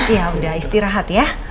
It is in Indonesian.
ya udah istirahat ya